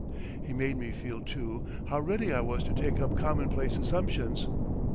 He made me feel, too, how ready I was to take up commonplace assumptions.